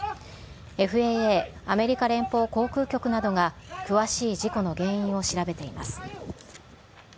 ＦＡＡ・アメリカ連邦航空局などが詳しい事故の原因を調べています。